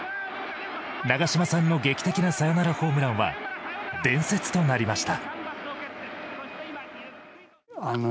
長嶋さんの劇的なサヨナラホームランは伝説となりました。